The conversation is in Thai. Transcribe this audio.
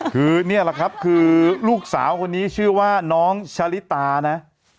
คือนี่แหละครับคือลูกสาวคนนี้ชื่อว่าน้องชะลิตานะ